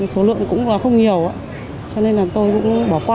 số lượng cũng mận rộn